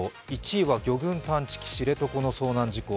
１位は魚群探知機、知床の事故。